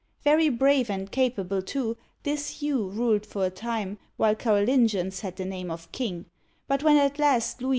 Very brave and capable, too, this Hugh ruled for a time, while Carolingians had the name of king ; but when at last Louis V.